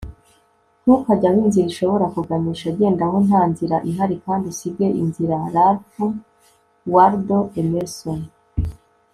ntukajye aho inzira ishobora kuganisha, genda aho nta nzira ihari kandi usige inzira. - ralph waldo emerson